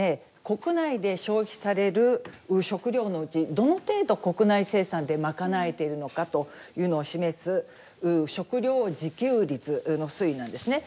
国内で消費される食料のうちどの程度国内生産で賄えているのかというのを示す食料自給率の推移なんですね。